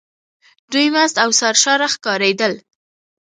دوی مست او سرشاره ښکارېدل.